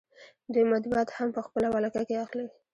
دوی مطبوعات هم په خپله ولکه کې اخلي